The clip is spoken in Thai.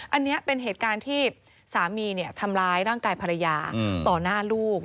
อันนี้เป็นเหตุการณ์ที่สามีทำร้ายร่างกายภรรยาต่อหน้าลูก